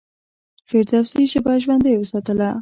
فردوسي ژبه ژوندۍ وساتله.